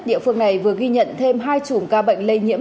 địa phương này vừa ghi nhận thêm hai chùm ca bệnh lây nhiễm